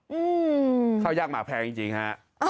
อืมข้าวยากหมาแพงจริงฮะ